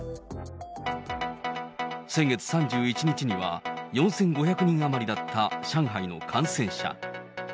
先月３１日には、４５００人余りだった上海の感染者。